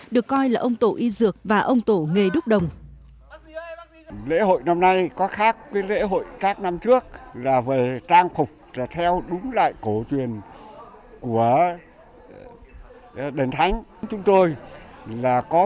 được coi là ông tổ y dược và ông tổ y dược